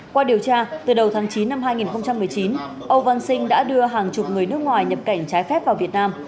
qua điều tra từ đầu tháng chín năm hai nghìn một mươi chín âu văn sinh đã đưa hàng chục người nước ngoài nhập cảnh trái phép vào việt nam